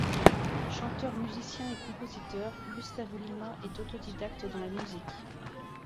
Chanteur, musicien et compositeur, Gusttavo Lima est autodidacte dans la musique.